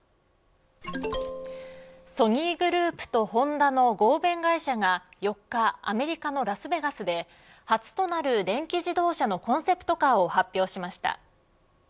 ソニーグループとホンダの合弁会社が４日、アメリカのラスベガスで初となる電気自動車のコンセプトカーを発表しました。